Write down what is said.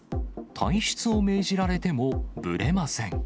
退出を命じられても、ぶれません。